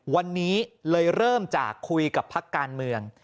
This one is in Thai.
วันนี้เลยเริ่มจากคุยกับพักการเมือง